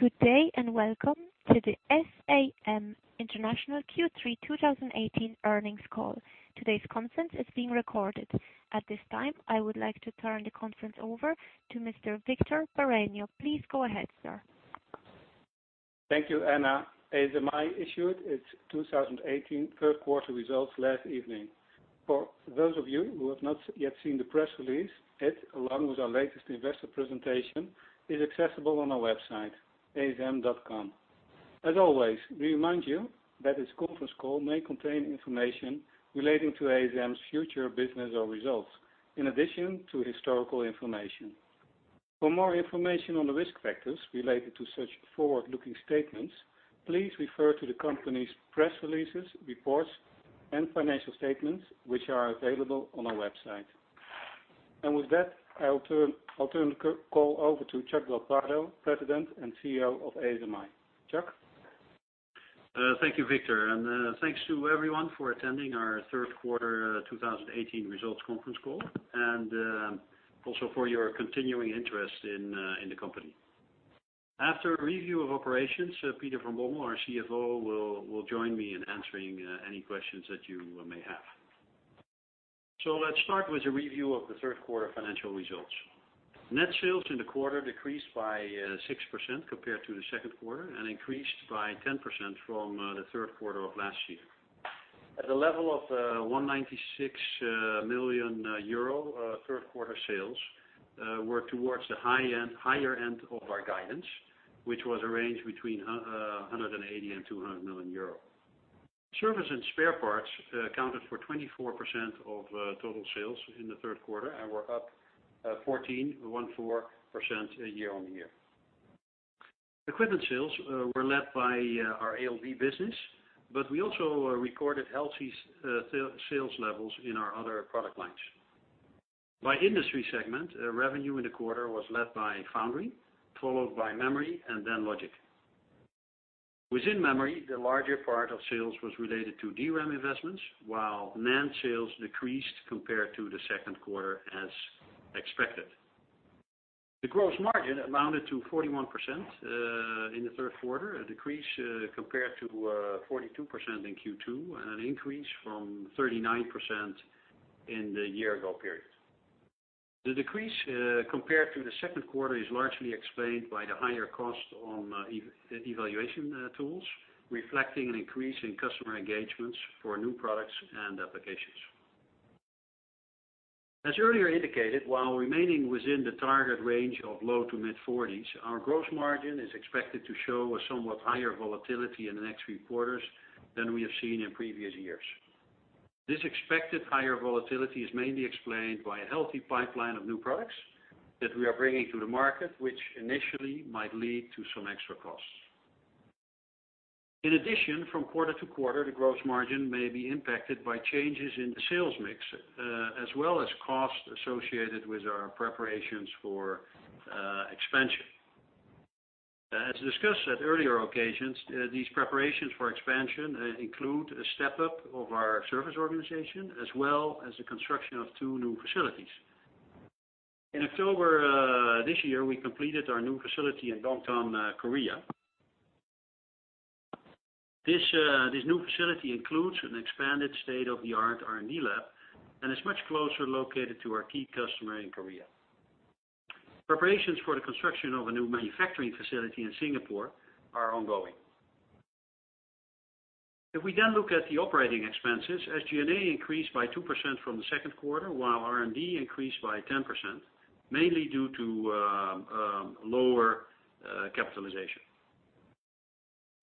Good day, welcome to the ASM International Q3 2018 earnings call. Today's conference is being recorded. At this time, I would like to turn the conference over to Mr. Victor Bareño. Please go ahead, sir. Thank you, Anna. ASMI issued its 2018 third-quarter results last evening. For those of you who have not yet seen the press release, it, along with our latest investor presentation, is accessible on our website, asm.com. As always, we remind you that this conference call may contain information relating to ASMI's future business or results, in addition to historical information. For more information on the risk factors related to such forward-looking statements, please refer to the company's press releases, reports, and financial statements, which are available on our website. With that, I'll turn the call over to Chuck del Prado, President and CEO of ASMI. Chuck? Thank you, Victor, and thanks to everyone for attending our third-quarter 2018 results conference call, and also for your continuing interest in the company. After a review of operations, Peter van Bommel, our CFO, will join me in answering any questions that you may have. Let's start with a review of the third quarter financial results. Net sales in the quarter decreased by 6% compared to the second quarter and increased by 10% from the third quarter of last year. At the level of 196 million euro, third quarter sales were towards the higher end of our guidance, which was a range between 180 million and 200 million euro. Service and spare parts accounted for 24% of total sales in the third quarter and were up 14%, year-on-year. Equipment sales were led by our ALD business, but we also recorded healthy sales levels in our other product lines. By industry segment, revenue in the quarter was led by Foundry, followed by Memory, and then Logic. Within Memory, the larger part of sales was related to DRAM investments, while NAND sales decreased compared to the second quarter as expected. The gross margin amounted to 41% in the third quarter, a decrease compared to 42% in Q2 and an increase from 39% in the year-ago period. The decrease compared to the second quarter is largely explained by the higher cost on evaluation tools, reflecting an increase in customer engagements for new products and applications. As earlier indicated, while remaining within the target range of low to mid-40s, our gross margin is expected to show a somewhat higher volatility in the next three quarters than we have seen in previous years. This expected higher volatility is mainly explained by a healthy pipeline of new products that we are bringing to the market, which initially might lead to some extra costs. In addition, from quarter to quarter, the gross margin may be impacted by changes in the sales mix, as well as costs associated with our preparations for expansion. As discussed at earlier occasions, these preparations for expansion include a step-up of our service organization, as well as the construction of two new facilities. In October this year, we completed our new facility in Dongtan, Korea. This new facility includes an expanded state-of-the-art R&D lab and is much closer located to our key customer in Korea. Preparations for the construction of a new manufacturing facility in Singapore are ongoing. If we look at the operating expenses, SG&A increased by 2% from the second quarter, while R&D increased by 10%, mainly due to lower capitalization.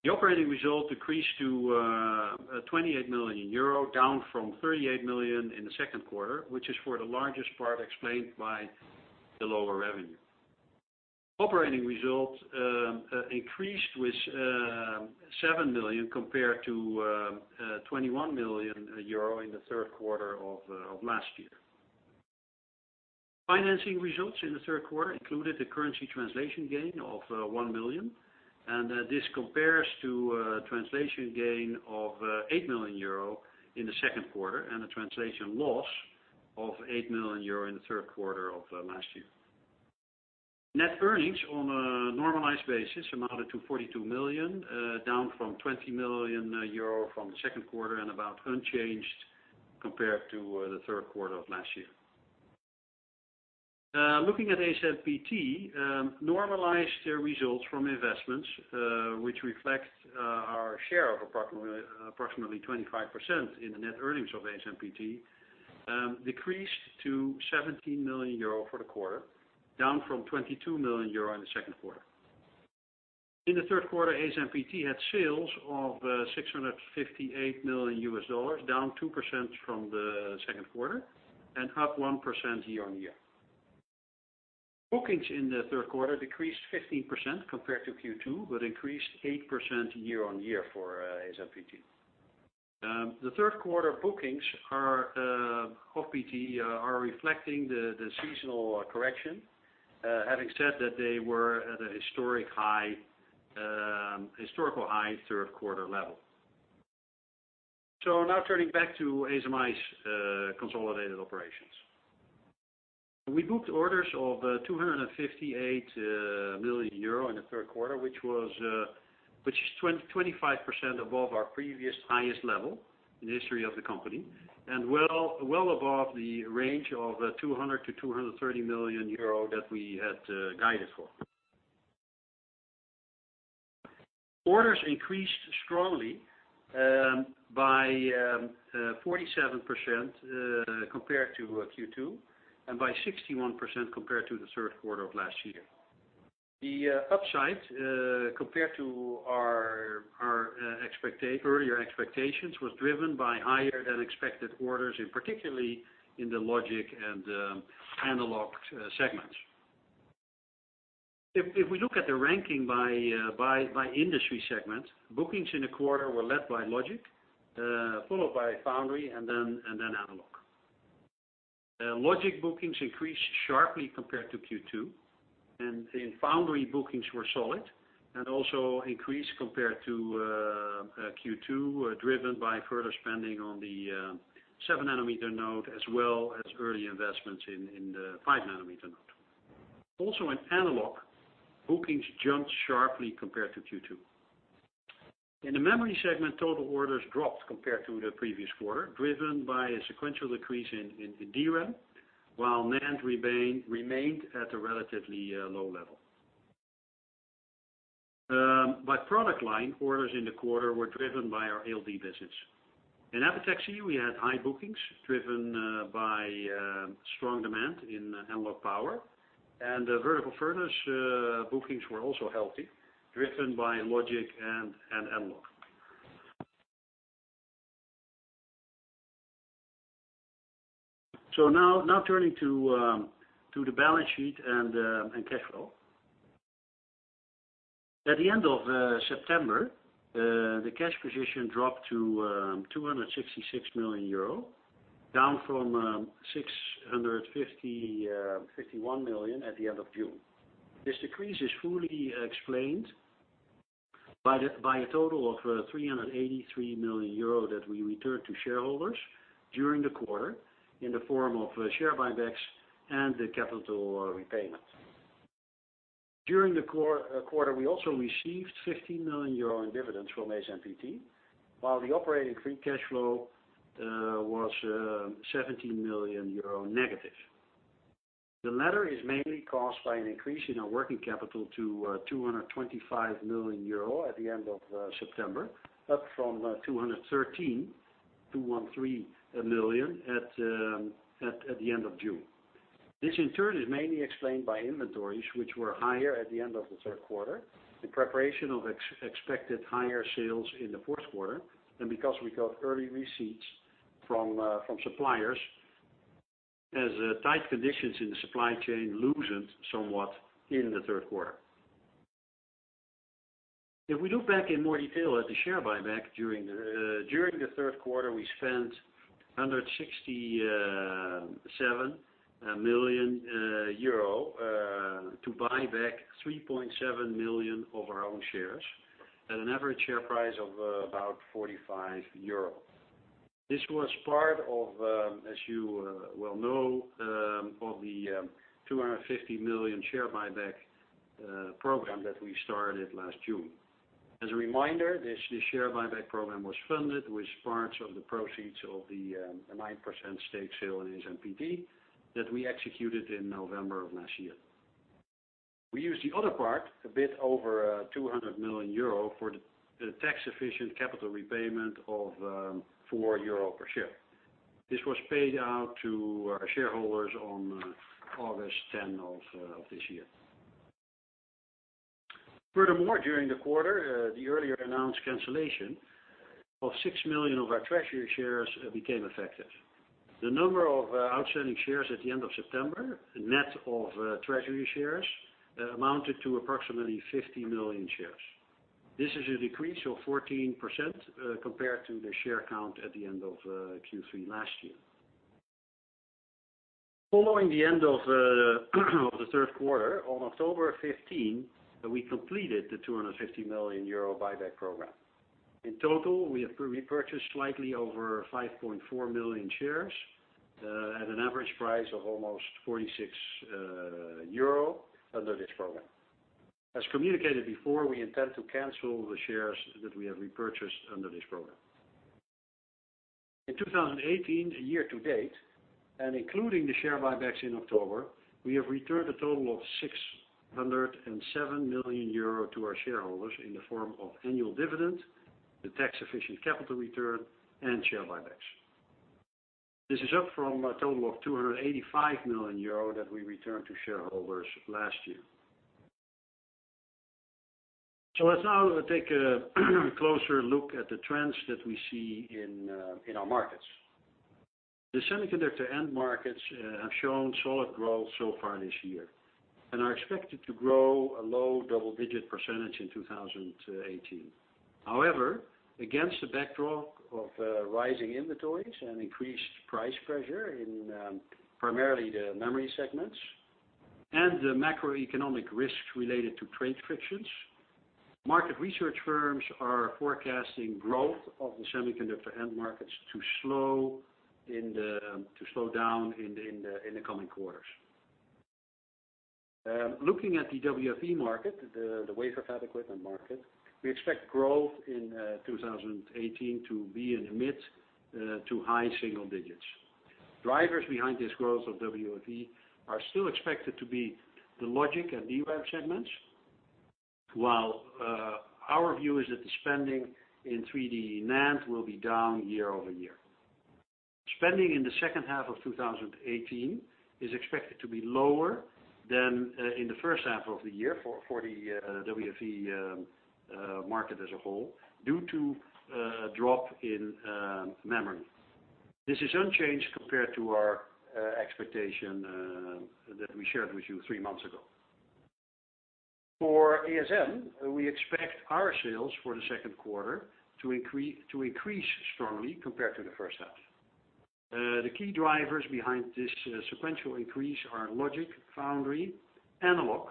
The operating result decreased to 28 million euro, down from 38 million in the second quarter, which is for the largest part explained by the lower revenue. Operating results increased with 7 million compared to 21 million euro in the third quarter of last year. Financing results in the third quarter included a currency translation gain of 1 million. This compares to a translation gain of 8 million euro in the second quarter and a translation loss of 8 million euro in the third quarter of last year. Net earnings on a normalized basis amounted to 42 million, down from 20 million euro from the second quarter and about unchanged compared to the third quarter of last year. Looking at ASMPT, normalized results from investments, which reflect our share of approximately 25% in the net earnings of ASMPT, decreased to 17 million euro for the quarter, down from 22 million euro in the second quarter. In the third quarter, ASMPT had sales of $658 million, down 2% from the second quarter and up 1% year-on-year. Bookings in the third quarter decreased 15% compared to Q2, but increased 8% year-on-year for ASMPT. The third quarter bookings of ASMPT are reflecting the seasonal correction, having said that they were at a historical high third quarter level. Now turning back to ASMI's consolidated operations. We booked orders of 258 million euro in the third quarter, which is 25% above our previous highest level in the history of the company, well above the range of 200 million-230 million euro that we had guided for. Orders increased strongly by 47% compared to Q2, by 61% compared to the third quarter of last year. The upside, compared to our earlier expectations, was driven by higher than expected orders in particularly in the logic and analog segments. If we look at the ranking by industry segment, bookings in the quarter were led by logic, followed by foundry, then analog. Logic bookings increased sharply compared to Q2, foundry bookings were solid and also increased compared to Q2, driven by further spending on the seven nanometer node as well as early investments in the five nanometer node. Also in analog, bookings jumped sharply compared to Q2. In the memory segment, total orders dropped compared to the previous quarter, driven by a sequential decrease in DRAM, while NAND remained at a relatively low level. By product line, orders in the quarter were driven by our ALD business. In epitaxy, we had high bookings driven by strong demand in analog power. Vertical furnace bookings were also healthy, driven by logic and analog. Now turning to the balance sheet and cash flow. At the end of September, the cash position dropped to 266 million euro, down from 651 million at the end of June. This decrease is fully explained by a total of 383 million euro that we returned to shareholders during the quarter in the form of share buybacks and the capital repayment. During the quarter, we also received 15 million euro in dividends from ASMPT, while the operating free cash flow was 17 million euro negative. The latter is mainly caused by an increase in our working capital to 225 million euro at the end of September, up from 213 million at the end of June. This in turn is mainly explained by inventories, which were higher at the end of the third quarter, in preparation of expected higher sales in the fourth quarter, and because we got early receipts from suppliers as tight conditions in the supply chain loosened somewhat in the third quarter. If we look back in more detail at the share buyback, during the third quarter, we spent 167 million euro to buy back 3.7 million of our own shares at an average share price of about 45 euro. This was part of, as you well know, of the 250 million share buyback program that we started last June. As a reminder, this share buyback program was funded with parts of the proceeds of the 9% stake sale in ASMPT that we executed in November of last year. We used the other part, a bit over 200 million euro, for the tax-efficient capital repayment of 4 euro per share. This was paid out to our shareholders on August 10 of this year. Furthermore, during the quarter, the earlier announced cancellation of 6 million of our treasury shares became effective. The number of outstanding shares at the end of September, net of treasury shares, amounted to approximately 50 million shares. This is a decrease of 14% compared to the share count at the end of Q3 last year. Following the end of the third quarter, on October 15, we completed the 250 million euro buyback program. In total, we have repurchased slightly over 5.4 million shares at an average price of almost 46 euro under this program. As communicated before, we intend to cancel the shares that we have repurchased under this program. In 2018, year-to-date, and including the share buybacks in October, we have returned a total of 607 million euro to our shareholders in the form of annual dividend, the tax-efficient capital return, and share buybacks. This is up from a total of 285 million euro that we returned to shareholders last year. Let's now take a closer look at the trends that we see in our markets. The semiconductor end markets have shown solid growth so far this year and are expected to grow a low double-digit percentage in 2018. However, against the backdrop of rising inventories and increased price pressure in primarily the memory segments and the macroeconomic risks related to trade frictions. Market research firms are forecasting growth of the semiconductor end markets to slow down in the coming quarters. Looking at the WFE market, the wafer fab equipment market, we expect growth in 2018 to be in mid to high single digits. Drivers behind this growth of WFE are still expected to be the logic and DRAM segments, while our view is that the spending in 3D NAND will be down year-over-year. Spending in the second half of 2018 is expected to be lower than in the first half of the year for the WFE market as a whole, due to a drop in memory. This is unchanged compared to our expectation that we shared with you three months ago. For ASM, we expect our sales for the second quarter to increase strongly compared to the first half. The key drivers behind this sequential increase are logic, foundry, analog,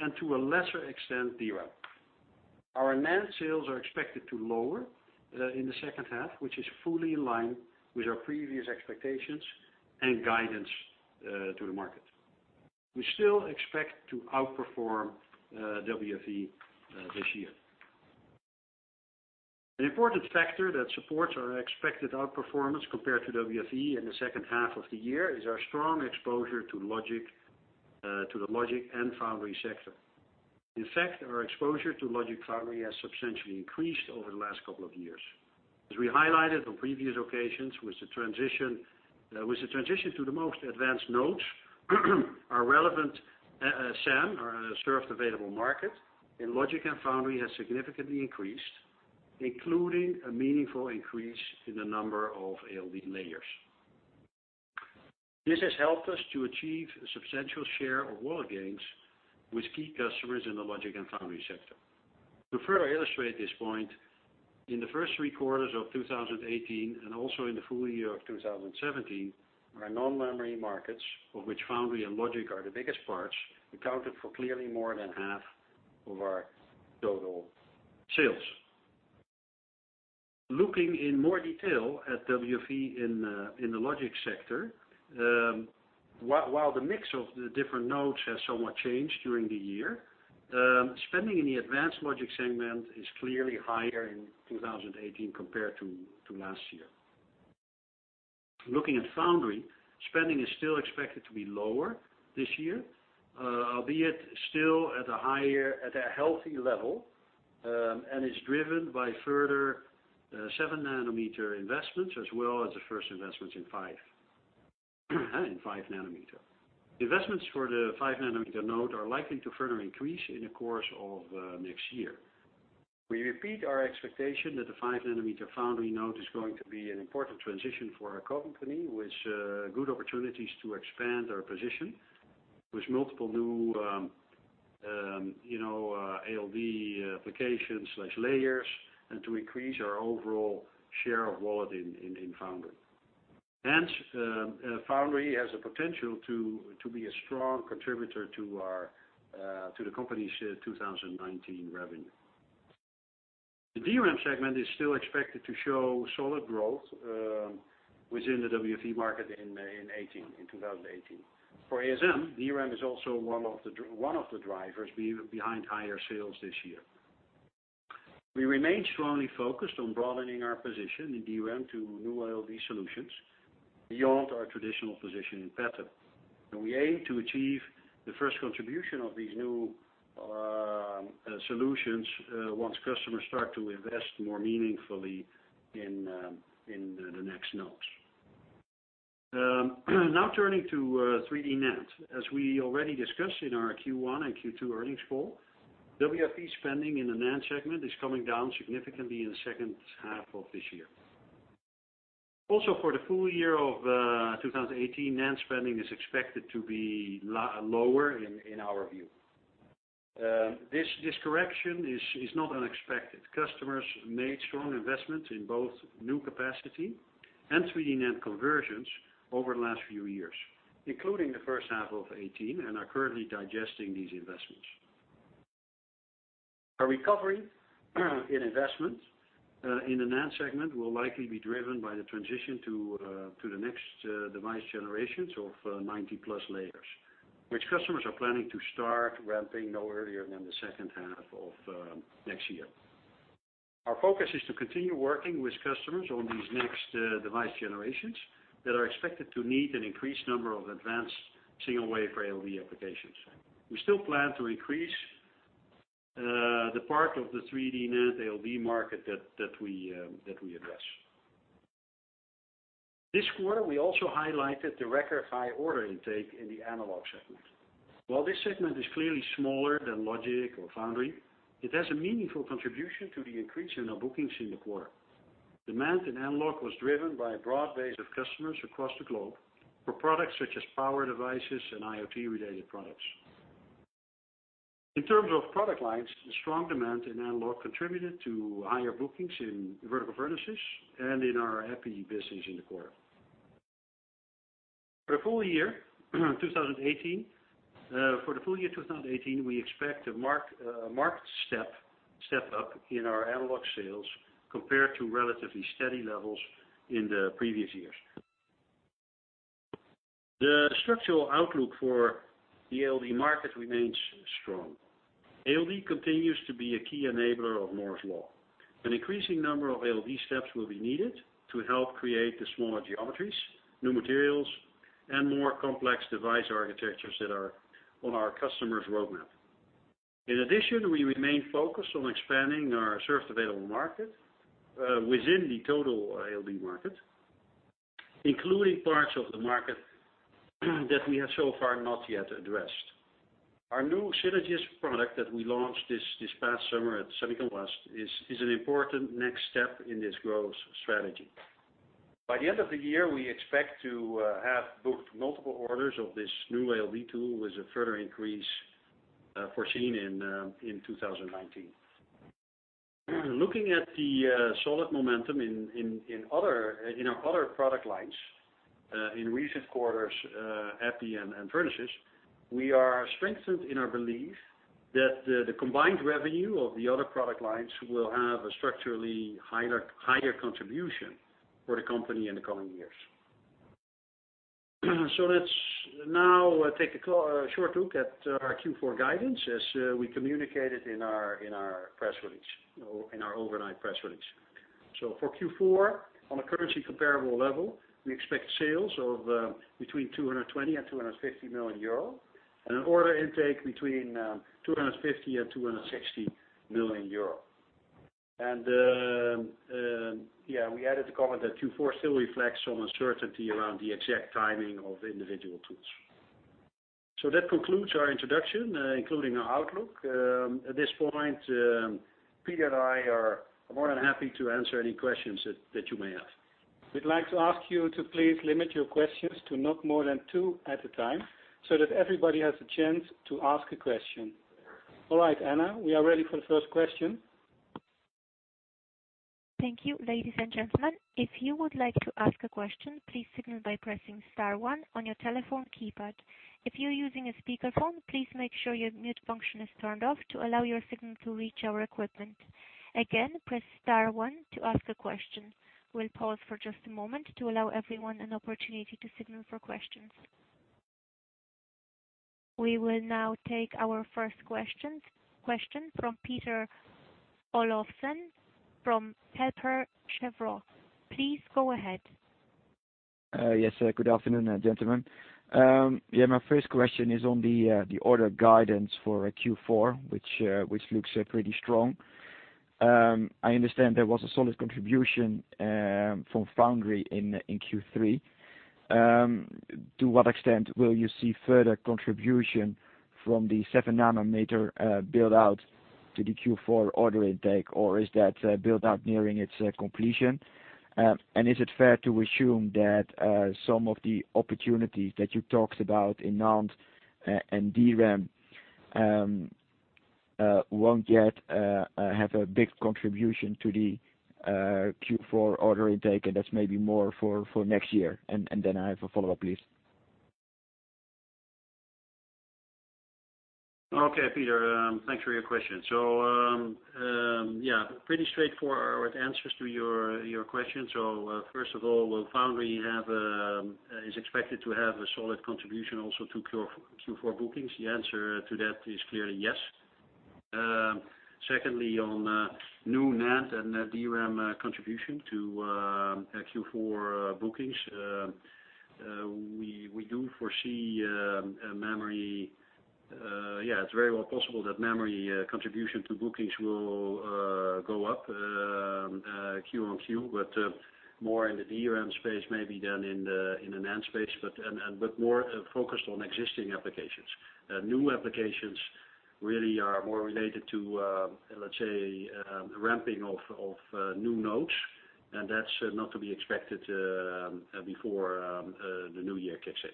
and to a lesser extent, DRAM. Our NAND sales are expected to lower in the second half, which is fully in line with our previous expectations and guidance to the market. We still expect to outperform WFE this year. An important factor that supports our expected outperformance compared to WFE in the second half of the year is our strong exposure to the logic and foundry sector. In fact, our exposure to logic foundry has substantially increased over the last couple of years. As we highlighted on previous occasions, with the transition to the most advanced nodes, our relevant SAM, our served available market, in logic and foundry has significantly increased, including a meaningful increase in the number of ALD layers. This has helped us to achieve a substantial share of wallet gains with key customers in the logic and foundry sector. To further illustrate this point, in the first three quarters of 2018, and also in the full year of 2017, our non-memory markets, of which foundry and logic are the biggest parts, accounted for clearly more than half of our total sales. Looking in more detail at WFE in the logic sector, while the mix of the different nodes has somewhat changed during the year, spending in the advanced logic segment is clearly higher in 2018 compared to last year. Looking at foundry, spending is still expected to be lower this year, albeit still at a healthy level, and is driven by further seven-nanometer investments as well as the first investments in five-nanometer. Investments for the five-nanometer node are likely to further increase in the course of next year. We repeat our expectation that the five-nanometer foundry node is going to be an important transition for our company, with good opportunities to expand our position with multiple new ALD applications/layers and to increase our overall share of wallet in foundry. Hence, foundry has the potential to be a strong contributor to the company's 2019 revenue. The DRAM segment is still expected to show solid growth within the WFE market in 2018. For ASM, DRAM is also one of the drivers behind higher sales this year. We remain strongly focused on broadening our position in DRAM to new ALD solutions beyond our traditional position in pattern. We aim to achieve the first contribution of these new solutions once customers start to invest more meaningfully in the next nodes. Now turning to 3D NAND. As we already discussed in our Q1 and Q2 earnings call, WFE spending in the NAND segment is coming down significantly in the second half of this year. Also for the full year of 2018, NAND spending is expected to be lower in our view. This correction is not unexpected. Customers made strong investments in both new capacity and 3D-NAND conversions over the last few years, including the first half of 2018, and are currently digesting these investments. A recovery in investment in the NAND segment will likely be driven by the transition to the next device generations of 90-plus layers, which customers are planning to start ramping no earlier than the second half of next year. Our focus is to continue working with customers on these next device generations that are expected to need an increased number of advanced single wafer ALD applications. We still plan to increase the part of the 3D-NAND ALD market that we address. This quarter, we also highlighted the record high order intake in the analog segment. While this segment is clearly smaller than logic or foundry, it has a meaningful contribution to the increase in our bookings in the quarter. Demand in analog was driven by a broad base of customers across the globe for products such as power devices and IoT-related products. In terms of product lines, the strong demand in analog contributed to higher bookings in vertical furnaces and in our Epi business in the quarter. For the full year 2018, we expect a marked step up in our analog sales compared to relatively steady levels in the previous years. The structural outlook for the ALD market remains strong. ALD continues to be a key enabler of Moore's Law. An increasing number of ALD steps will be needed to help create the smaller geometries, new materials, and more complex device architectures that are on our customers' roadmap. In addition, we remain focused on expanding our served available market within the total ALD market, including parts of the market that we have so far not yet addressed. Our new Synergis product that we launched this past summer at SEMICON West, is an important next step in this growth strategy. By the end of the year, we expect to have booked multiple orders of this new ALD tool with a further increase foreseen in 2019. Looking at the solid momentum in our other product lines in recent quarters, Epi and furnaces, we are strengthened in our belief that the combined revenue of the other product lines will have a structurally higher contribution for the company in the coming years. Let's now take a short look at our Q4 guidance as we communicated in our overnight press release. For Q4, on a currency comparable level, we expect sales of between 220 million and 250 million euro, and an order intake between 250 million and 260 million euro. We added the comment that Q4 still reflects some uncertainty around the exact timing of individual tools. That concludes our introduction, including our outlook. At this point, Peter and I are more than happy to answer any questions that you may have. We'd like to ask you to please limit your questions to not more than two at a time, so that everybody has a chance to ask a question. All right, Anna, we are ready for the first question. Thank you, ladies and gentlemen. If you would like to ask a question, please signal by pressing star one on your telephone keypad. If you're using a speakerphone, please make sure your mute function is turned off to allow your signal to reach our equipment. Again, press star one to ask a question. We'll pause for just a moment to allow everyone an opportunity to signal for questions. We will now take our first question from Peter Olofsen from Kepler Cheuvreux. Please go ahead. Yes. Good afternoon, gentlemen. My first question is on the order guidance for Q4, which looks pretty strong. I understand there was a solid contribution from Foundry in Q3. To what extent will you see further contribution from the seven nanometer build-out to the Q4 order intake, or is that build-out nearing its completion? Is it fair to assume that some of the opportunities that you talked about in NAND and DRAM, won't yet have a big contribution to the Q4 order intake, and that's maybe more for next year? Then I have a follow-up, please. Okay, Peter. Thanks for your question. Pretty straightforward answers to your questions. First of all, will Foundry is expected to have a solid contribution also to Q4 bookings? The answer to that is clearly yes. Secondly, on new NAND and DRAM contribution to Q4 bookings. It's very well possible that memory contribution to bookings will go up Q on Q, but more in the DRAM space maybe than in the NAND space, but more focused on existing applications. New applications really are more related to, let's say, ramping of new nodes, and that's not to be expected before the new year kicks in.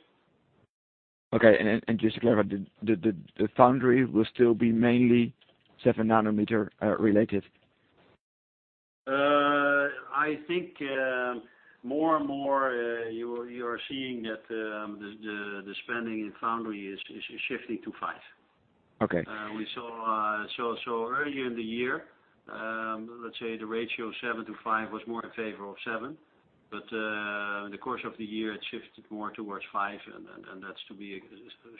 Okay. Just to clarify, the Foundry will still be mainly 7 nanometer related? I think more and more you are seeing that the spending in Foundry is shifting to 5. Okay. We saw earlier in the year, let's say the ratio of 7 to 5 was more in favor of 7, but in the course of the year, it shifted more towards 5, and that's to be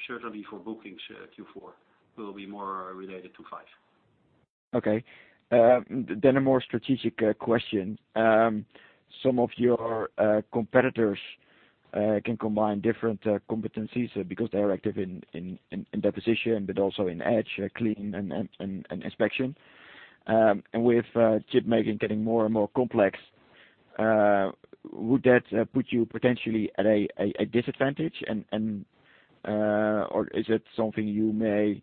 certainly for bookings Q4 will be more related to 5. Okay. A more strategic question. Some of your competitors can combine different competencies because they are active in deposition, but also in etch, clean, and inspection. With chip making getting more and more complex, would that put you potentially at a disadvantage, or is it something you may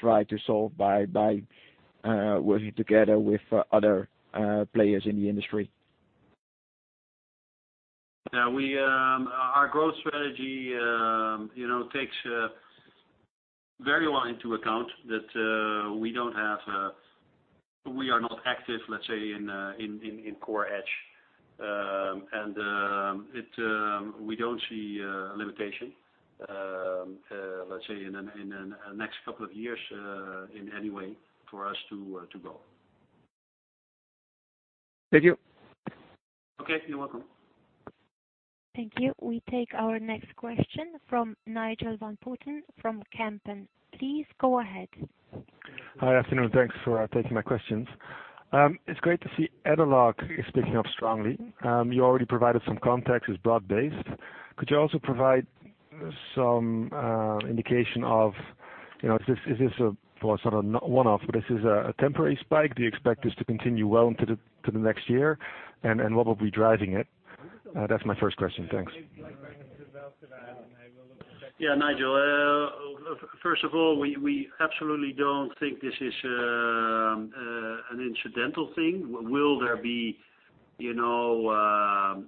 try to solve by working together with other players in the industry? Our growth strategy takes very well into account that we are not active, let's say, in core etch. We don't see a limitation, let's say, in the next couple of years, in any way for us to grow. Thank you. Okay. You're welcome. Thank you. We take our next question from Nigel van Putten from Kempen. Please go ahead. Hi. Afternoon. Thanks for taking my questions. It's great to see analog is picking up strongly. You already provided some context, it's broad-based. Could you also provide some indication of, is this a one-off? This is a temporary spike. Do you expect this to continue well into the next year? What will be driving it? That's my first question. Thanks. Yeah, Nigel, first of all, we absolutely don't think this is an incidental thing. Will there be some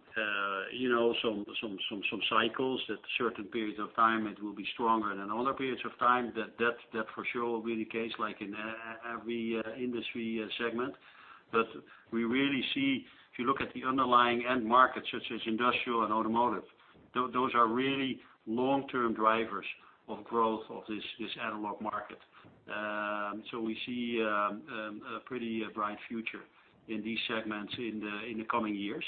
cycles that certain periods of time it will be stronger than other periods of time? That for sure will be the case, like in every industry segment. We really see, if you look at the underlying end markets such as industrial and automotive, those are really long-term drivers of growth of this analog market. We see a pretty bright future in these segments in the coming years.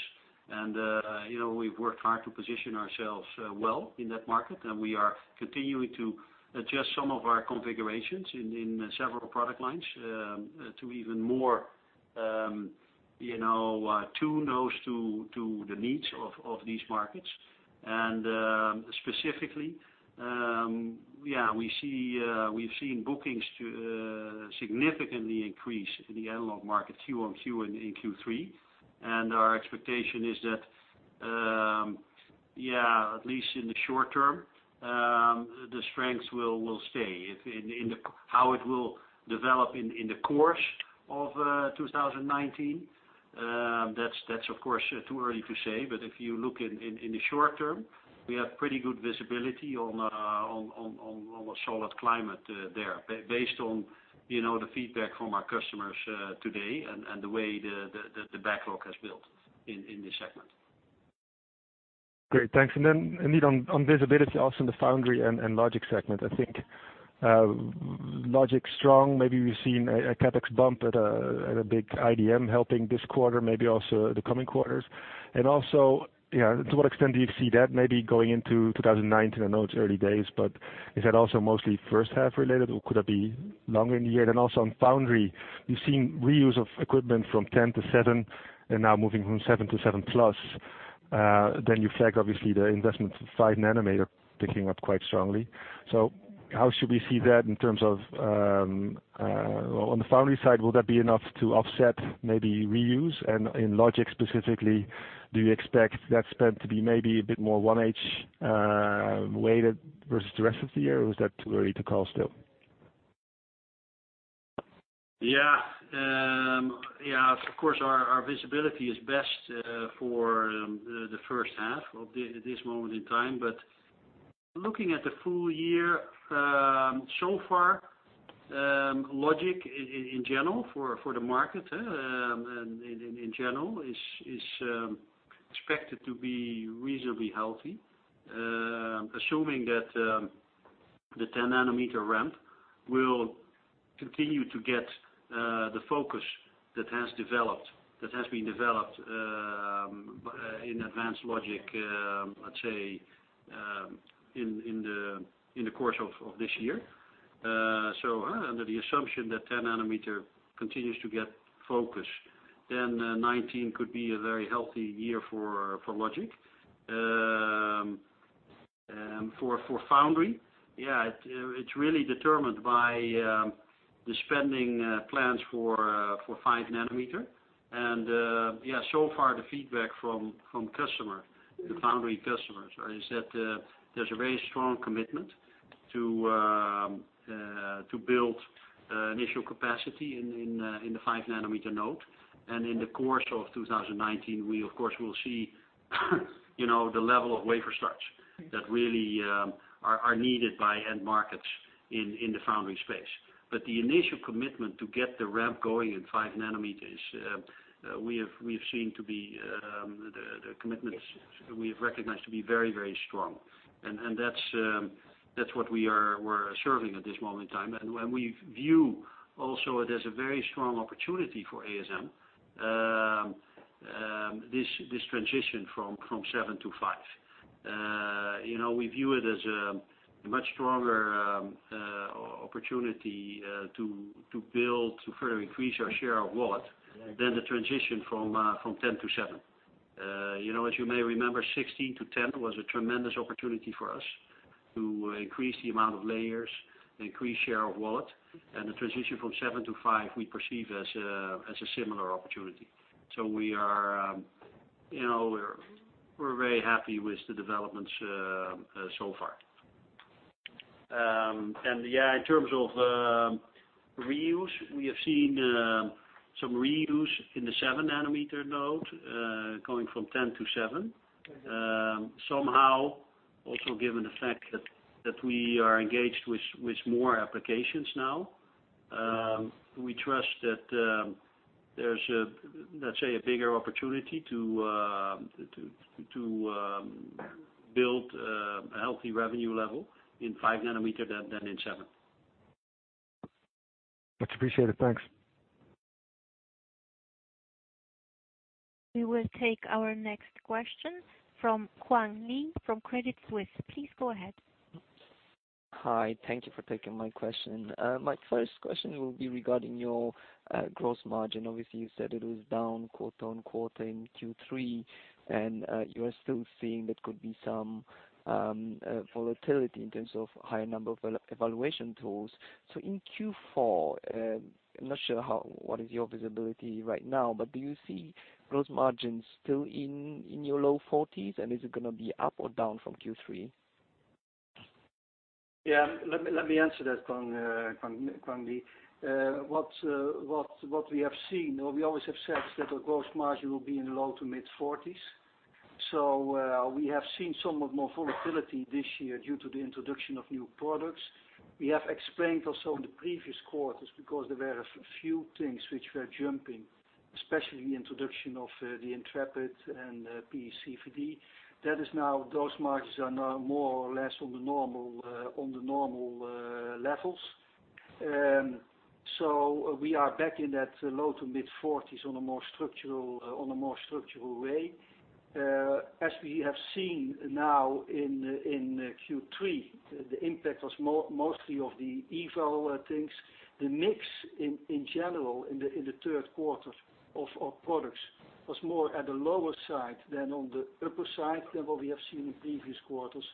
We've worked hard to position ourselves well in that market, and we are continuing to adjust some of our configurations in several product lines, to even more tune those to the needs of these markets. Specifically, we've seen bookings significantly increase in the analog market Q on Q and in Q3. Our expectation is that, at least in the short term, the strength will stay. How it will develop in the course of 2019, that's of course, too early to say. If you look in the short term, we have pretty good visibility on a solid climate there, based on the feedback from our customers today and the way the backlog has built in this segment. Great. Thanks. Indeed on visibility also in the foundry and logic segment, I think logic's strong. Maybe we've seen a CapEx bump at a big IDM helping this quarter, maybe also the coming quarters. Also, to what extent do you see that maybe going into 2019? I know it's early days, but is that also mostly first half related, or could that be longer in the year? Also on foundry, we've seen reuse of equipment from 10 to 7, and now moving from 7 to 7 plus. You flag, obviously, the investments of five nanometer picking up quite strongly. How should we see that in terms of, on the foundry side, will that be enough to offset, maybe reuse? In logic specifically, do you expect that spend to be maybe a bit more 1H-weighted versus the rest of the year? Is that too early to call still? Yeah. Of course, our visibility is best for the first half of this moment in time. Looking at the full year so far, logic in general for the market in general is expected to be reasonably healthy. Assuming that the 10 nanometer ramp will continue to get the focus that has been developed in advanced logic, let's say, in the course of this year. Under the assumption that 10 nanometer continues to get focus, 2019 could be a very healthy year for logic. For foundry, it's really determined by the spending plans for 5 nanometer. So far the feedback from foundry customers is that there's a very strong commitment to build initial capacity in the 5 nanometer node. In the course of 2019, we of course will see the level of wafer starts that really are needed by end markets in the foundry space. The initial commitment to get the ramp going in 5 nanometers, the commitments we have recognized to be very, very strong. That's what we're serving at this moment in time. When we view also it as a very strong opportunity for ASM, this transition from 7 to 5. We view it as a much stronger opportunity to build, to further increase our share of wallet than the transition from 10 to 7. As you may remember, 16 to 10 was a tremendous opportunity for us to increase the amount of layers, increase share of wallet, and the transition from 7 to 5 we perceive as a similar opportunity. We're very happy with the developments so far. Yeah, in terms of reuse, we have seen some reuse in the 7 nanometer node, going from 10 to 7. Somehow, also given the fact that we are engaged with more applications now, we trust that there's, let's say, a bigger opportunity to build a healthy revenue level in 5 nanometer than in 7. Much appreciated. Thanks. We will take our next question from Kwan Lee from Credit Suisse. Please go ahead. Hi. Thank you for taking my question. My first question will be regarding your gross margin. Obviously, you said it was down quarter-on-quarter in Q3, and you are still seeing there could be some volatility in terms of higher number of evaluation tools. In Q4, I'm not sure what is your visibility right now, but do you see gross margins still in your low 40s? And is it going to be up or down from Q3? Yeah, let me answer that, Kwan Lee. What we have seen, or we always have said, is that our gross margin will be in the low to mid-40s. We have seen somewhat more volatility this year due to the introduction of new products. We have explained also in the previous quarters, because there were a few things which were jumping, especially the introduction of the Intrepid and PECVD. Those margins are now more or less on the normal levels. We are back in that low to mid-40s on a more structural way. As we have seen now in Q3, the impact was mostly of the eval things. The mix in general in the third quarter of our products was more at the lower side than on the upper side than what we have seen in previous quarters.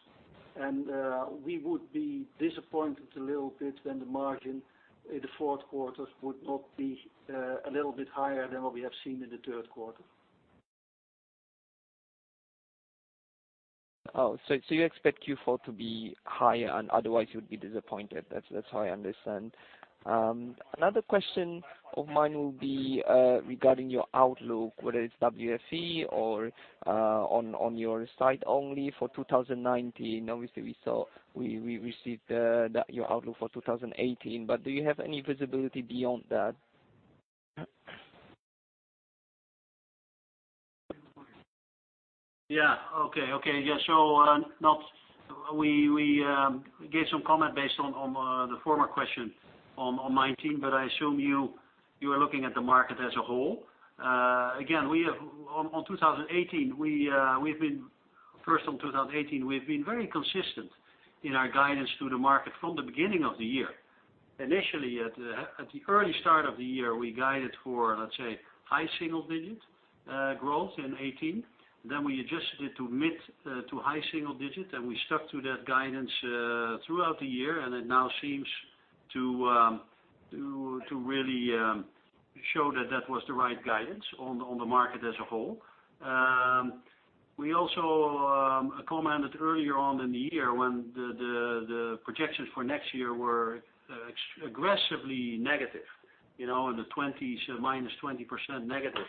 We would be disappointed a little bit when the margin in the fourth quarter would not be a little bit higher than what we have seen in the third quarter. You expect Q4 to be higher, and otherwise, you would be disappointed. That's how I understand. Another question of mine will be regarding your outlook, whether it's WFE or on your site only for 2019. Obviously, we received your outlook for 2018, but do you have any visibility beyond that? We gave some comment based on the former question on 2019, but I assume you are looking at the market as a whole. On 2018, first on 2018, we've been very consistent in our guidance to the market from the beginning of the year. Initially, at the early start of the year, we guided for, let's say, high single-digit growth in 2018. We adjusted it to mid to high single digit, and we stuck to that guidance throughout the year, and it now seems to really show that that was the right guidance on the market as a whole. We also commented earlier on in the year when the projections for next year were aggressively negative, in the 20s, minus 20% negative.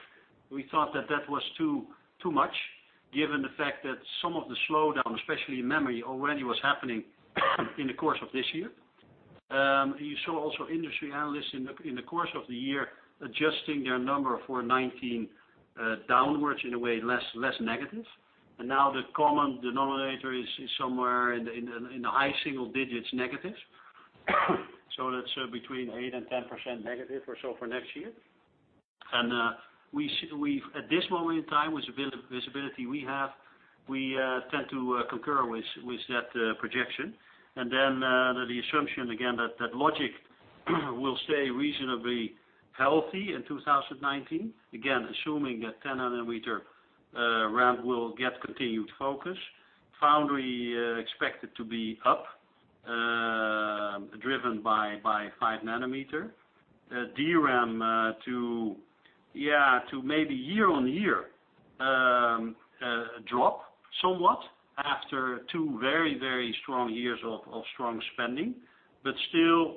We thought that that was too much, given the fact that some of the slowdown, especially in memory, already was happening in the course of this year. You saw also industry analysts in the course of the year adjusting their number for 2019 downwards, in a way, less negative. Now the common denominator is somewhere in the high single digits negative. That's between 8%-10% negative or so for next year. At this moment in time, with the visibility we have, we tend to concur with that projection. Then the assumption, again, that logic will stay reasonably healthy in 2019. Again, assuming that 10-nanometer ramp will get continued focus. Foundry expected to be up, driven by five nanometer. DRAM to maybe year-over-year drop somewhat after two very strong years of strong spending.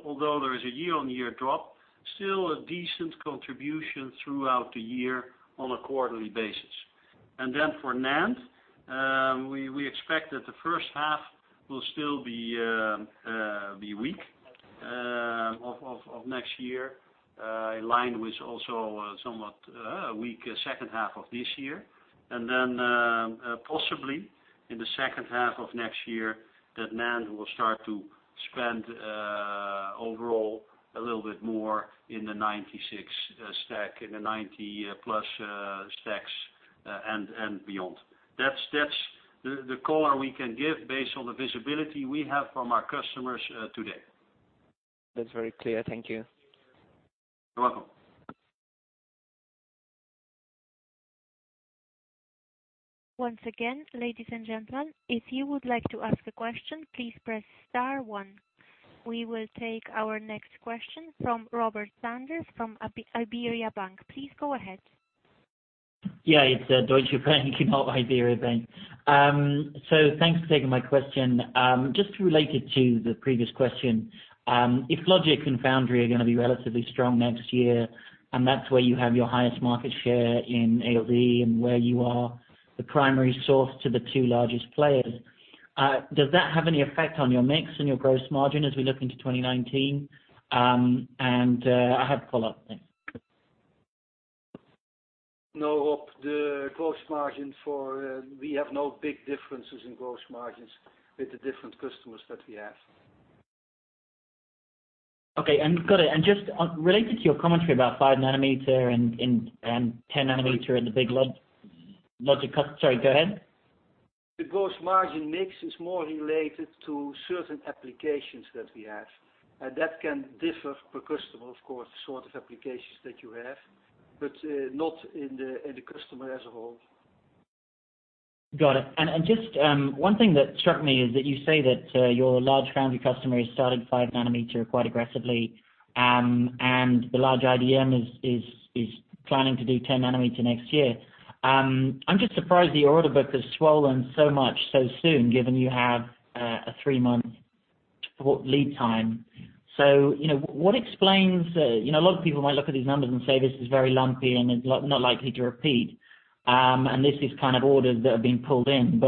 Although there is a year-over-year drop, still a decent contribution throughout the year on a quarterly basis. For NAND, we expect that the first half will still be weak of next year, in line with also a somewhat weak second half of this year. Possibly in the second half of next year, that NAND will start to spend overall a little bit more in the 96 stack, in the 90-plus stacks and beyond. That's the color we can give based on the visibility we have from our customers today. That's very clear. Thank you. You're welcome. Once again, ladies and gentlemen, if you would like to ask a question, please press star one. We will take our next question from Rob Sanders from Deutsche Bank. Please go ahead. Yeah, it is Deutsche Bank, not Deutsche Bank. Thanks for taking my question. Just related to the previous question, if logic and foundry are going to be relatively strong next year, and that is where you have your highest market share in ALD and where you are the primary source to the two largest players, does that have any effect on your mix and your gross margin as we look into 2019? I have a follow-up. Thanks. We have no big differences in gross margins with the different customers that we have. Okay. Got it. Just related to your commentary about 5 nanometer and 10 nanometer in the big. Sorry, go ahead. The gross margin mix is more related to certain applications that we have. That can differ per customer, of course, sort of applications that you have, but not in the customer as a whole. Got it. Just one thing that struck me is that you say that your large foundry customer has started five nanometer quite aggressively. The large IDM is planning to do 10 nanometer next year. I'm just surprised your order book has swollen so much so soon, given you have a three-month lead time. What explains-- A lot of people might look at these numbers and say, this is very lumpy, and it's not likely to repeat. This is kind of orders that are being pulled in.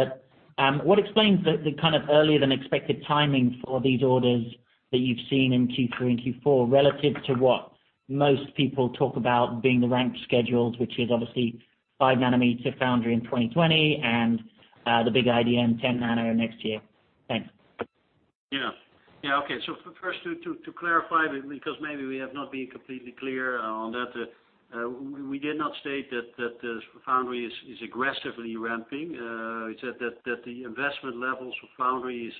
What explains the kind of earlier than expected timing for these orders that you've seen in Q3 and Q4 relative to what most people talk about being the ramp schedules, which is obviously five nanometer foundry in 2020 and the big IDM 10 nano next year? Thanks. Yeah. Okay. First to clarify, because maybe we have not been completely clear on that. We did not state that the foundry is aggressively ramping. We said that the investment levels for foundries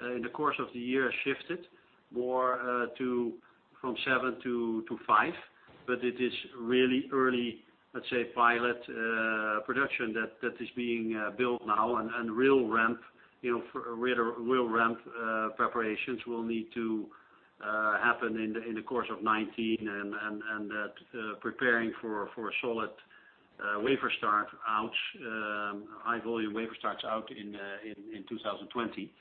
in the course of the year shifted more from seven to five, but it is really early, let's say pilot production that is being built now and real ramp preparations will need to happen in the course of 2019, and that preparing for a solid wafer start out, high volume wafer starts out in 2020.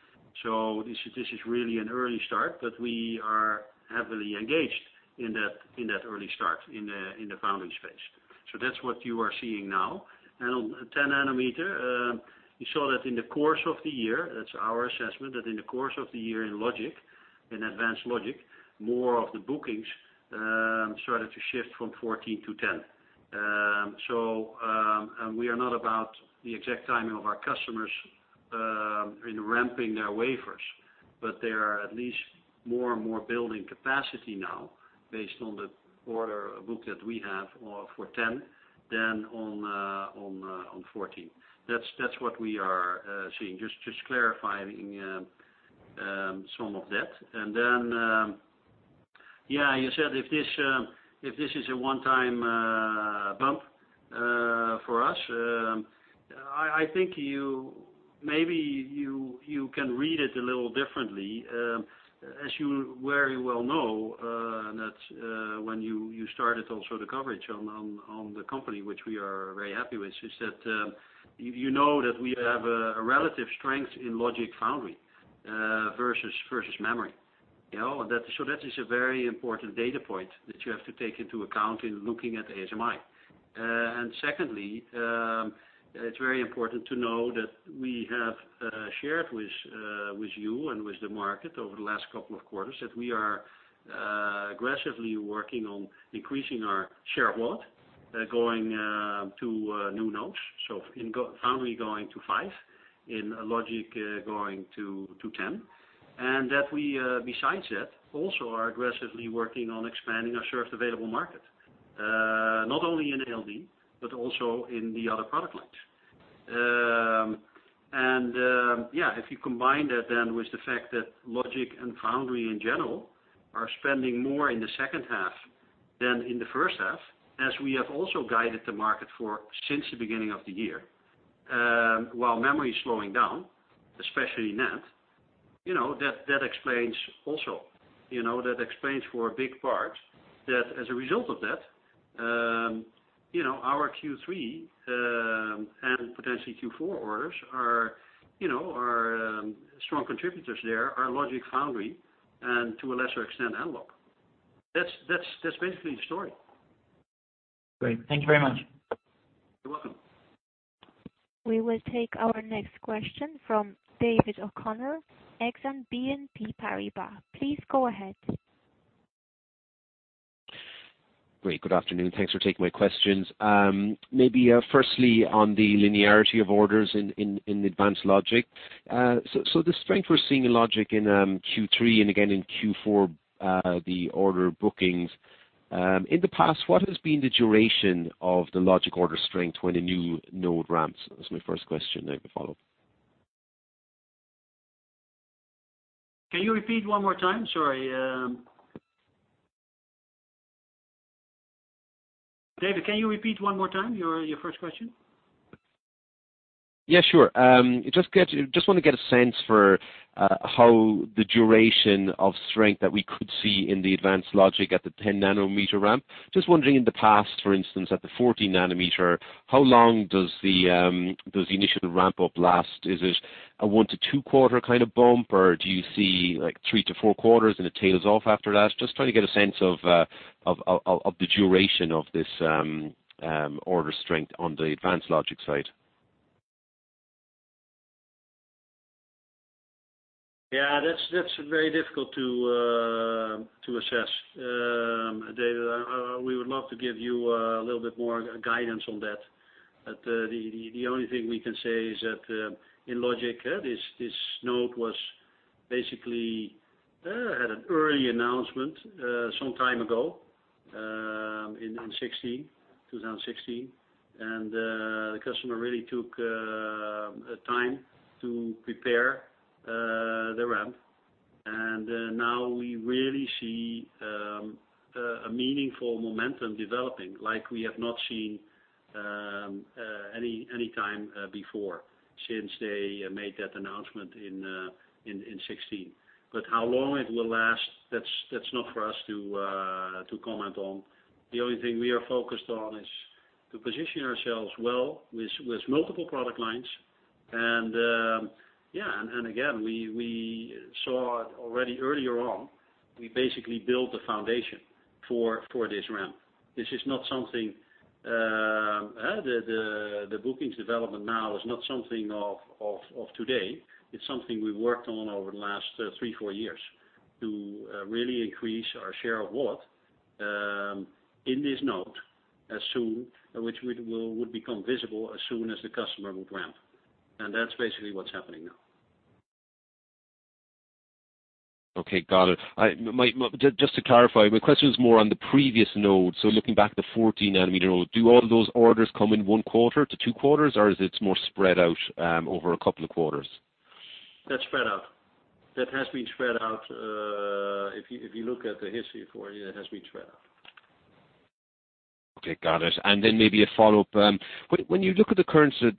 This is really an early start, but we are heavily engaged in that early start in the foundry space. That's what you are seeing now. On 10 nanometer, you saw that in the course of the year, that's our assessment, that in the course of the year in logic, in advanced logic, more of the bookings started to shift from 14 to 10. We are not about the exact timing of our customers in ramping their wafers, but they are at least more and more building capacity now based on the order book that we have for 10 than on 14. That's what we are seeing. Just clarifying some of that. You said if this is a one-time bump for us, I think maybe you can read it a little differently. As you very well know, that when you started also the coverage on the company, which we are very happy with, is that you know that we have a relative strength in logic foundry versus memory. That is a very important data point that you have to take into account in looking at ASMI. Secondly, it's very important to know that we have shared with you and with the market over the last couple of quarters that we are aggressively working on increasing our share of wallet Going to new nodes. In foundry going to five, in logic going to 10, and that we, besides that, also are aggressively working on expanding our shared available market, not only in ALD, but also in the other product lines. If you combine that then with the fact that logic and foundry in general are spending more in the second half than in the first half, as we have also guided the market for, since the beginning of the year. While memory is slowing down, especially NAND, that explains for a big part that as a result of that, our Q3, and potentially Q4 orders are, our strong contributors there are logic foundry and to a lesser extent, analog. That's basically the story. Great. Thank you very much. You're welcome. We will take our next question from David O'Connor, Exane BNP Paribas. Please go ahead. Great. Good afternoon. Thanks for taking my questions. Maybe firstly on the linearity of orders in advanced logic. The strength we're seeing in logic in Q3 and again in Q4, the order bookings. In the past, what has been the duration of the logic order strength when a new node ramps? That's my first question, then the follow-up. Can you repeat one more time? Sorry. David, can you repeat one more time your first question? Yeah, sure. Just want to get a sense for how the duration of strength that we could see in the advanced logic at the 10 nanometer ramp. Just wondering in the past, for instance, at the 14 nanometer, how long does the initial ramp-up last? Is it a one to two quarter kind of bump, or do you see three to four quarters and it tails off after that? Just trying to get a sense of the duration of this order strength on the advanced logic side. Yeah. That's very difficult to assess, David. We would love to give you a little bit more guidance on that. The only thing we can say is that, in logic, this node was basically at an early announcement some time ago, in 2016. The customer really took time to prepare the ramp. Now we really see a meaningful momentum developing like we have not seen any time before, since they made that announcement in 2016. How long it will last, that's not for us to comment on. The only thing we are focused on is to position ourselves well with multiple product lines. Again, we saw already earlier on, we basically built the foundation for this ramp. The bookings development now is not something of today. It's something we've worked on over the last three, four years to really increase our share of what, in this node, which would become visible as soon as the customer would ramp. That's basically what's happening now. Okay. Got it. Just to clarify, my question is more on the previous node. Looking back at the 14 nanometer node, do all those orders come in one quarter to two quarters, or is it more spread out over a couple of quarters? That's spread out. That has been spread out. If you look at the history for you, it has been spread out. Okay. Got it. Then maybe a follow-up. When you look at this current 10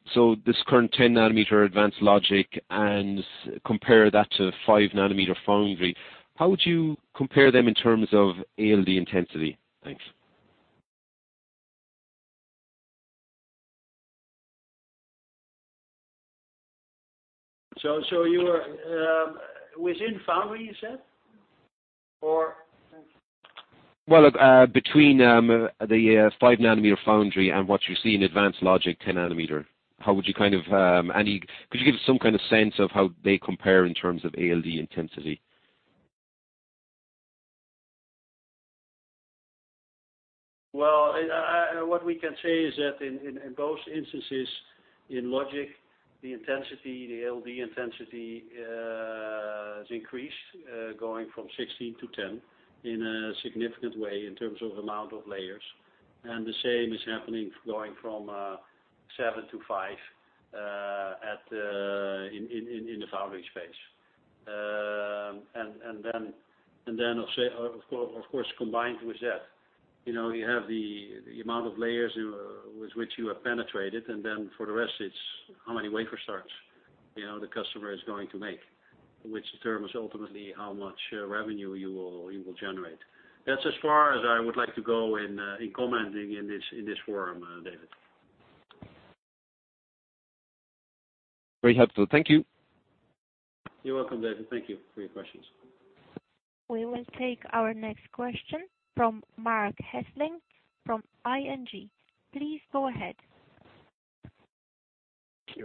nanometer advanced logic and compare that to five nanometer foundry, how would you compare them in terms of ALD intensity? Thanks. You were within foundry, you said? Or Well, between the 5 nanometer foundry and what you see in advanced logic 10 nanometer. Could you give some kind of sense of how they compare in terms of ALD intensity? Well, what we can say is that in both instances, in logic, the ALD intensity has increased, going from 16 to 10 in a significant way in terms of amount of layers. The same is happening going from seven to five in the foundry space. Then, of course, combined with that, you have the amount of layers with which you have penetrated, and then for the rest, it's how many wafer starts the customer is going to make. Which determines ultimately how much revenue you will generate. That's as far as I would like to go in commenting in this forum, David. Very helpful. Thank you. You're welcome, David. Thank you for your questions. We will take our next question from Marc Hesselink from ING. Please go ahead. Thank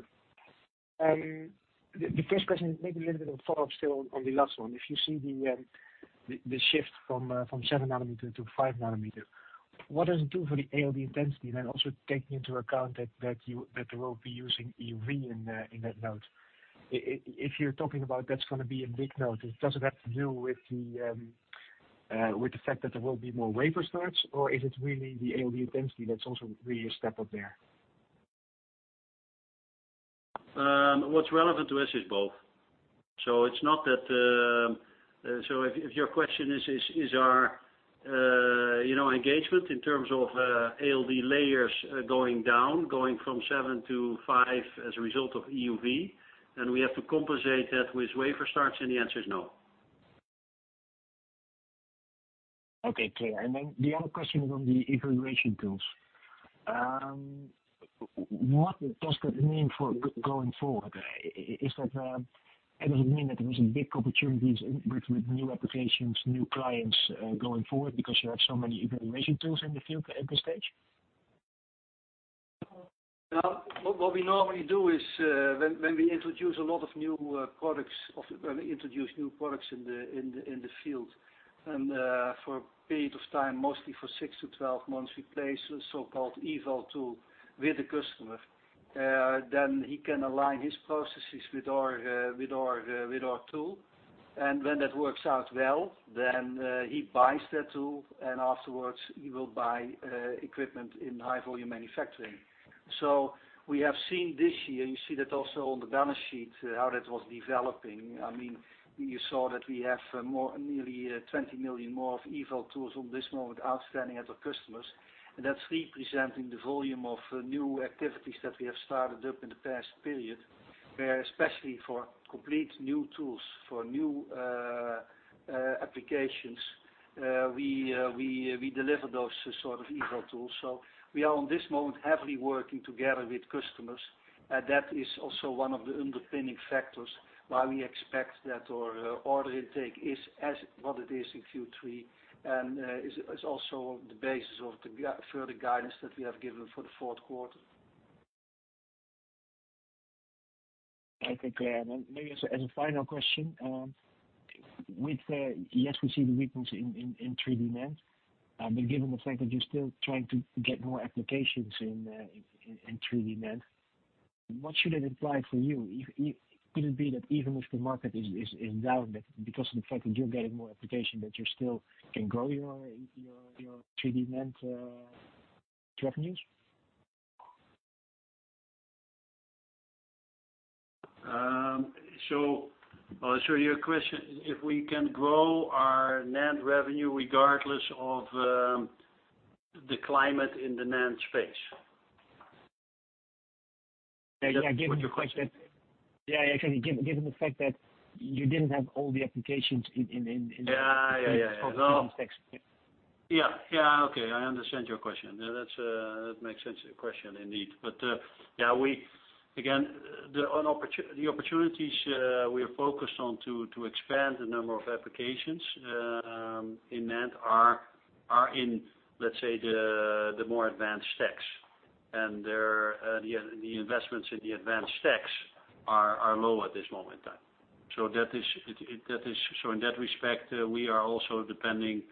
you. The first question is maybe a little bit of a follow-up still on the last one. If you see the shift from 7 nanometer to 5 nanometer, what does it do for the ALD intensity? Also taking into account that they will be using EUV in that node. If you're talking about that's going to be a big node, does it have to do with the fact that there will be more wafer starts, or is it really the ALD intensity that's also really a step up there? What's relevant to us is both. If your question is our engagement in terms of ALD layers going down, going from 7 to 5 as a result of EUV, we have to compensate that with wafer starts, the answer is no. Okay. Clear. The other question is on the evaluation tools. What does that mean for going forward? Does it mean that there is a big opportunities with new applications, new clients going forward because you have so many evaluation tools in the field at this stage? What we normally do is, when we introduce new products in the field, for a period of time, mostly for six to 12 months, we place a so-called eval tool with the customer. He can align his processes with our tool. When that works out well, he buys that tool, and afterwards he will buy equipment in high volume manufacturing. We have seen this year, you see that also on the balance sheet, how that was developing. You saw that we have nearly 20 million more of eval tools on this moment outstanding at our customers. That's representing the volume of new activities that we have started up in the past period. Especially for complete new tools, for new applications, we deliver those sort of eval tools. We are on this moment heavily working together with customers. That is also one of the underpinning factors why we expect that our order intake is as what it is in Q3, is also the basis of the further guidance that we have given for the fourth quarter. Okay. Maybe as a final question, yes, we see the weakness in 3D-NAND. Given the fact that you're still trying to get more application in 3D-NAND, what should it imply for you? Could it be that even if the market is down, because of the fact that you're getting more application, that you still can grow your 3D-NAND revenues? Your question, if we can grow our NAND revenue regardless of the climate in the NAND space? Yeah, actually, given the fact that you didn't have all the applications. Yeah. Yeah, okay. I understand your question. That makes sense, your question indeed. Again, the opportunities we are focused on to expand the number of applications in NAND are in, let's say, the more advanced techs. The investments in the advanced techs are low at this moment in time. In that respect, we are also depending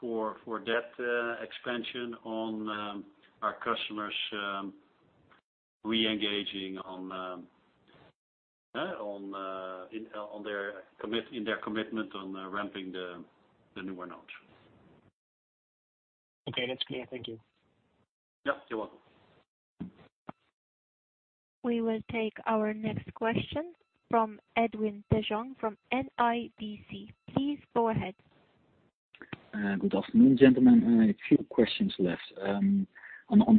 for that expansion on our customers reengaging in their commitment on ramping the newer nodes. Okay. That's clear. Thank you. Yeah, you're welcome. We will take our next question from Edwin de Jong from NIBC. Please go ahead. Good afternoon, gentlemen. A few questions left. On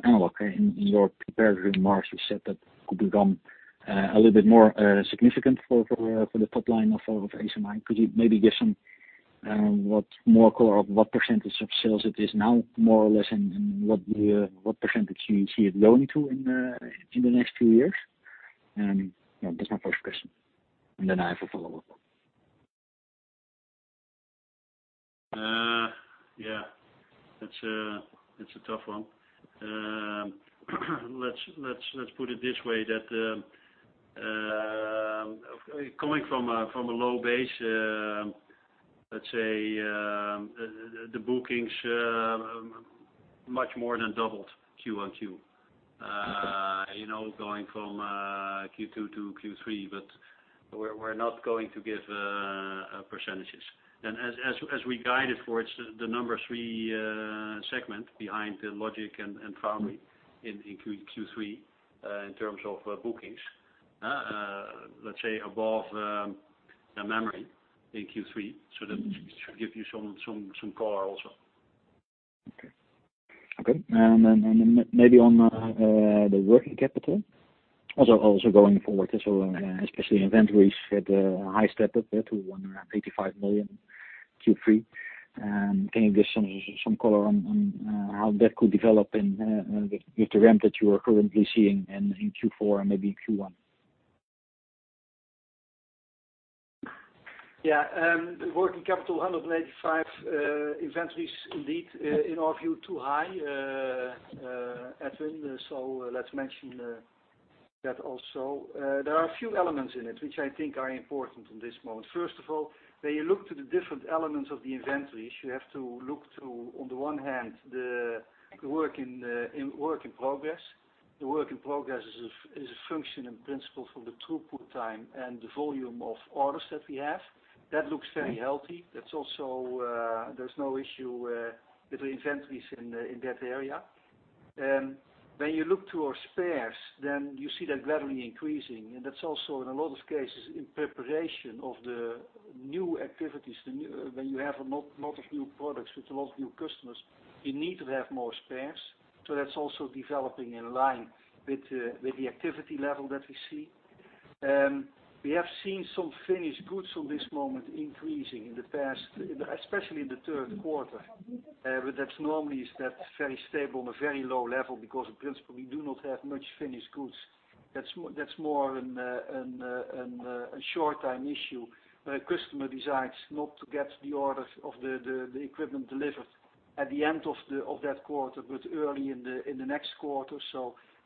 analog, in your prepared remarks, you said that could become a little bit more significant for the top line of ASMI. Could you maybe give some more color of what percentage of sales it is now, more or less, and what percentage you see it going to in the next few years? That's my first question, and then I have a follow-up. Yeah. That's a tough one. Let's put it this way, that coming from a low base, let's say, the bookings much more than doubled Q on Q. Okay. Going from Q2 to Q3, but we're not going to give percentages. As we guided for it, the number three segment behind the logic and foundry in Q3, in terms of bookings. Let's say above the memory in Q3. That should give you some color also. Okay. Maybe on the working capital, also going forward, especially inventories had a high step up there to 185 million Q3. Can you give some color on how that could develop with the ramp that you are currently seeing in Q4 and maybe Q1? Yeah. Working capital, 185 inventories indeed, in our view, too high, Edwin, let's mention that also. There are a few elements in it, which I think are important in this moment. First of all, when you look to the different elements of the inventories, you have to look to, on the one hand, the work in progress. The work in progress is a function in principle for the throughput time and the volume of orders that we have. That looks very healthy. There's no issue with the inventories in that area. When you look to our spares, you see that gradually increasing. That's also in a lot of cases, in preparation of the new activities, when you have a lot of new products with a lot of new customers, you need to have more spares. That's also developing in line with the activity level that we see. We have seen some finished goods from this moment increasing in the past, especially in the third quarter. That's normally is that very stable on a very low level because in principle, we do not have much finished goods. That's more a short time issue. When a customer decides not to get the orders of the equipment delivered at the end of that quarter, but early in the next quarter,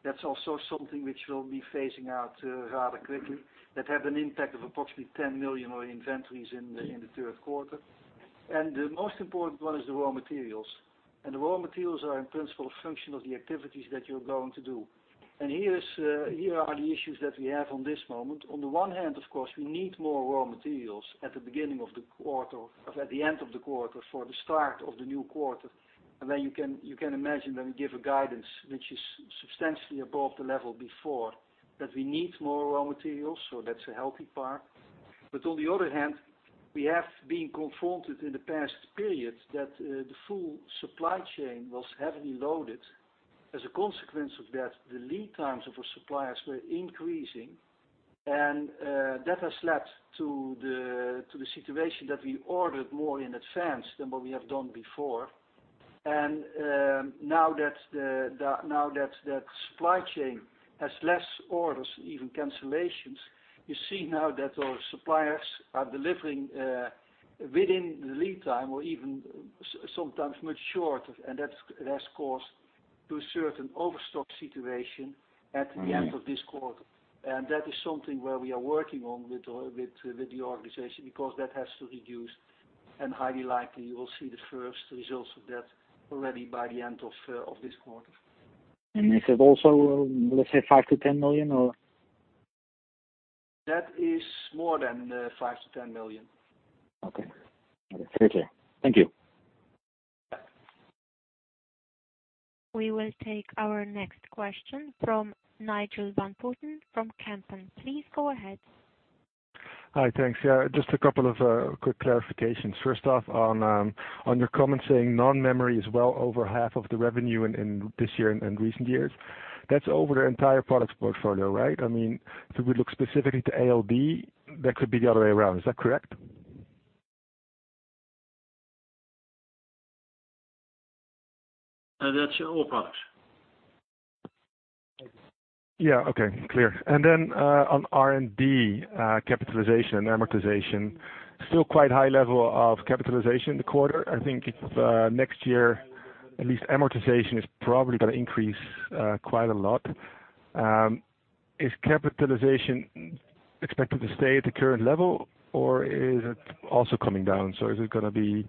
that's also something which we'll be phasing out rather quickly, that had an impact of approximately 10 million on inventories in the third quarter. The most important one is the raw materials. The raw materials are in principle a function of the activities that you're going to do. Here are the issues that we have on this moment. On the one hand, of course, we need more raw materials at the end of the quarter for the start of the new quarter. You can imagine when we give a guidance, which is substantially above the level before, that we need more raw materials, that's a healthy part. On the other hand, we have been confronted in the past period that the full supply chain was heavily loaded. As a consequence of that, the lead times of our suppliers were increasing, and that has led to the situation that we ordered more in advance than what we have done before. Now that the supply chain has less orders, even cancellations, you see now that our suppliers are delivering within the lead time or even sometimes much shorter, and that has caused to a certain overstock situation at the end of this quarter. That is something where we are working on with the organization, because that has to reduce and highly likely you will see the first results of that already by the end of this quarter. Is it also, let's say, 5 million-10 million, or? That is more than 5 million-10 million. Okay. Very clear. Thank you. We will take our next question from Nigel van Putten from Kempen. Please go ahead. Hi. Thanks. Just a couple of quick clarifications. First off, on your comment saying non-memory is well over half of the revenue in this year and recent years. That's over the entire product portfolio, right? If we look specifically to ALD, that could be the other way around. Is that correct? That's all products. Yeah. Okay. Clear. On R&D capitalization, amortization, still quite high level of capitalization the quarter. I think next year, at least amortization is probably going to increase quite a lot. Is capitalization expected to stay at the current level, or is it also coming down? Is it going to be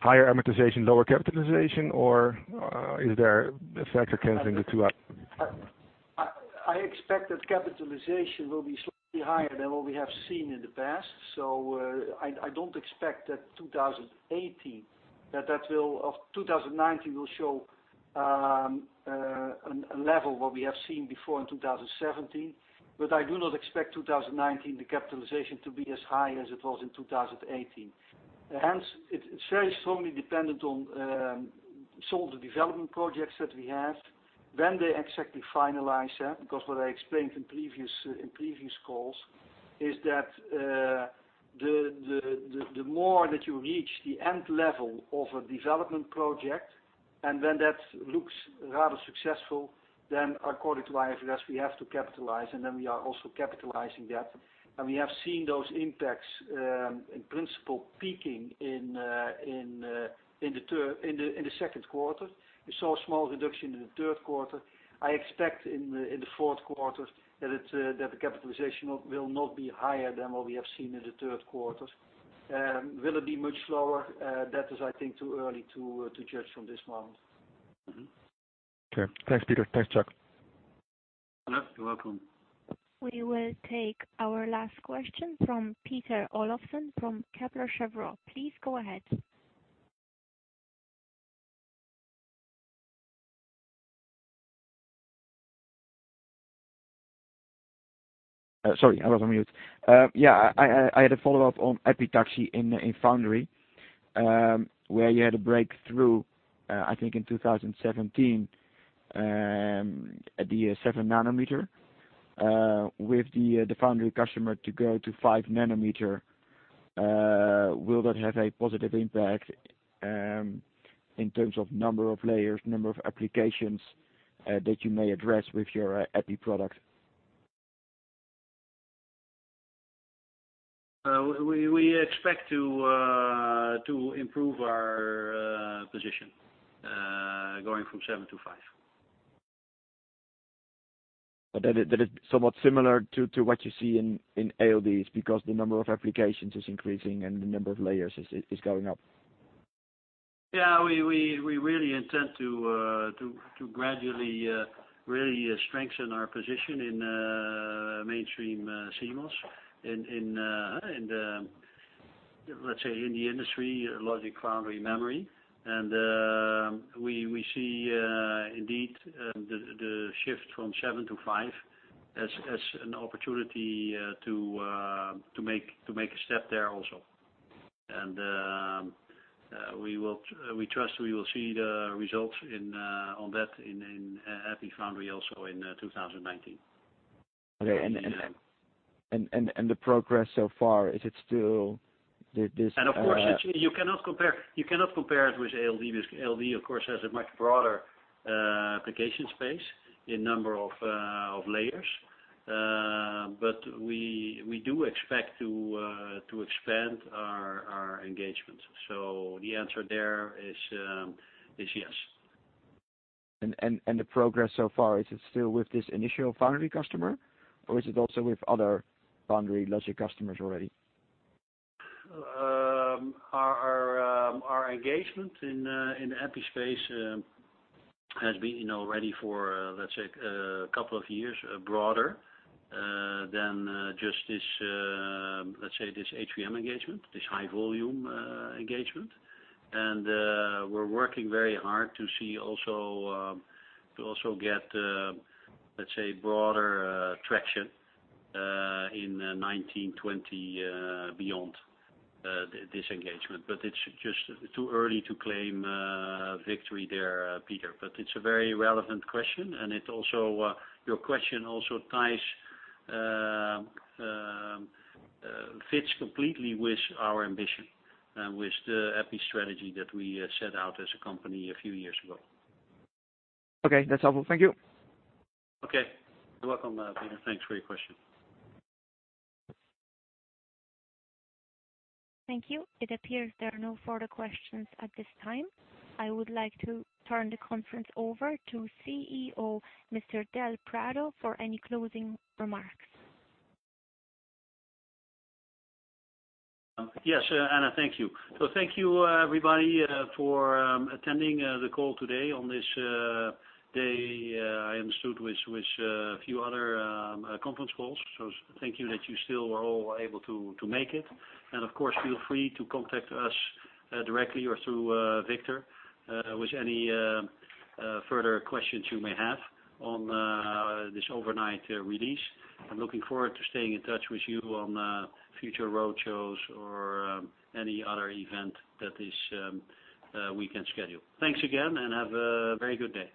higher amortization, lower capitalization, or is there an effect of canceling the two out? I expect that capitalization will be slightly higher than what we have seen in the past, I don't expect that 2019 will show a level what we have seen before in 2017. I do not expect 2019, the capitalization to be as high as it was in 2018. Hence, it's very strongly dependent on sort of the development projects that we have, when they exactly finalize that, because what I explained in previous calls is that the more that you reach the end level of a development project and when that looks rather successful, then according to IFRS, we have to capitalize, and then we are also capitalizing that. We have seen those impacts, in principle, peaking in the second quarter. We saw a small reduction in the third quarter. I expect in the fourth quarter that the capitalization will not be higher than what we have seen in the third quarter. Will it be much lower? That is, I think, too early to judge from this moment. Okay. Thanks, Peter. Thanks, Chuck. You're welcome. We will take our last question from Peter Olofsen from Kepler Cheuvreux. Please go ahead. Sorry, I was on mute. I had a follow-up on epitaxy in foundry, where you had a breakthrough, I think, in 2017, at the seven nanometer, with the foundry customer to go to five nanometer. Will that have a positive impact, in terms of number of layers, number of applications, that you may address with your Epi product? We expect to improve our position, going from seven to five. That is somewhat similar to what you see in ALDs because the number of applications is increasing and the number of layers is going up. We really intend to gradually strengthen our position in mainstream CMOS in, let's say, in the industry, logic foundry memory. We see indeed the shift from 7 to 5 as an opportunity to make a step there also. We trust we will see the results on that in Epi foundry also in 2019. The progress so far, is it still this Of course, you cannot compare it with ALD, because ALD of course, has a much broader application space in number of layers. We do expect to expand our engagements. The answer there is yes. The progress so far, is it still with this initial foundry customer, or is it also with other foundry logic customers already? Our engagement in the Epi space has been already for, let's say, a couple of years broader than just this, let's say this HVM engagement, this high volume engagement. We're working very hard to also get, let's say, broader traction in 2019, 2020, beyond this engagement. It's just too early to claim victory there, Peter. It's a very relevant question, and your question also fits completely with our ambition and with the Epi strategy that we set out as a company a few years ago. Okay. That's all. Thank you. Okay. You're welcome, Peter. Thanks for your question. Thank you. It appears there are no further questions at this time. I would like to turn the conference over to CEO, Mr. Del Prado, for any closing remarks. Yes, Anna. Thank you. Thank you everybody for attending the call today on this day, I understood with a few other conference calls. Thank you that you still were all able to make it. Of course, feel free to contact us directly or through Victor, with any further questions you may have on this overnight release. I'm looking forward to staying in touch with you on future roadshows or any other event that we can schedule. Thanks again, and have a very good day.